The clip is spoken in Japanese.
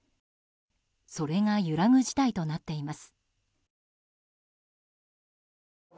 それが揺らぐ事態となっています。